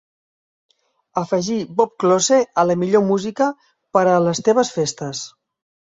afegir bob klose a la millor música per a les teves festes